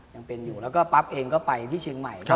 ยังเป็นอยู่แล้วก็ปั๊บเองก็ไปที่เชียงใหม่ด้วย